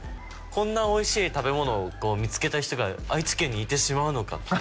こんなおいしい食べ物を見つけた人が愛知県にいてしまうのかって。